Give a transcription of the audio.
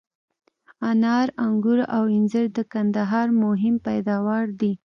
انار، آنګور او انځر د کندهار مهم پیداوار دي.